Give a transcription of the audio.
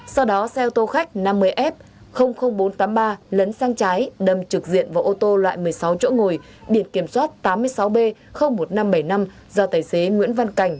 sau đó xe ô tô khách năm mươi f bốn trăm tám mươi ba lấn sang trái đâm trực diện vào ô tô loại một mươi sáu chỗ ngồi biển kiểm soát tám mươi sáu b một nghìn năm trăm bảy mươi năm do tài xế nguyễn văn cảnh